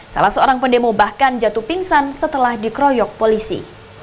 salah seorang pendemo bahkan jatuh pingsan setelah dikroyok polisi